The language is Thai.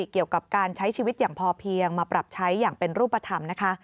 เกี่ยวกับการใช้ชีวิตอย่างพอเพียงมาปรับใช้อย่างเป็นรูปธรรมนะคะ